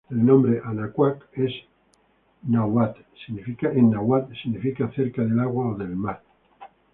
El nombre Anáhuac en náhuatl significa "Cerca del agua o del mar.